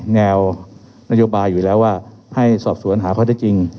แนวนโยบายอยู่แล้วว่าให้สอบสวนหาข้อได้จริง